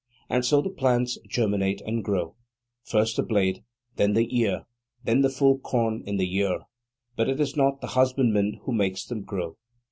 And so the plants germinate and grow, first the blade, then the ear, then the full corn in the ear. But it is not the husbandman who makes them grow.